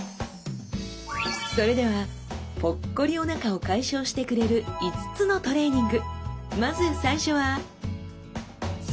それではポッコリおなかを解消してくれる５つのトレーニング！